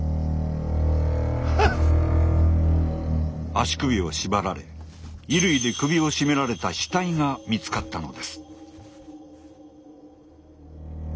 足首を縛られ衣類で首を絞められた死体が見つかったのです。